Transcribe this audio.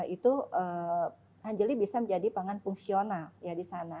itu anjali bisa menjadi pangan fungsional ya di sana